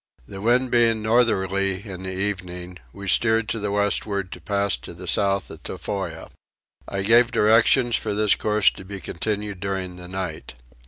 The wind being northerly in the evening we steered to the westward to pass to the south of Tofoa. I gave directions for this course to be continued during the night.